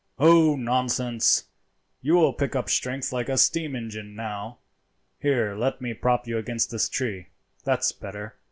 "Oh, nonsense! you will pick up strength like a steam engine now. Here, let me prop you against this tree. That's better.